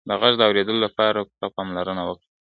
د غږ د اورېدو لپاره پوره پاملرنه وکړه.